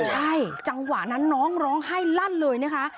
ใช่จังหวะนั้นน้องร้องไห้ลั่นเลยนะคะ